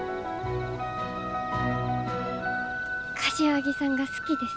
柏木さんが好きです。